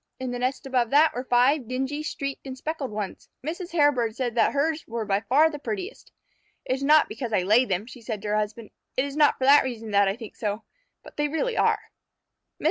In the nest above that were five dingy streaked and speckled ones. Mrs. Hairbird said that hers were by far the prettiest. "It is not because I laid them," she said to her husband. "It is not for that reason that I think so, but they really are." Mr.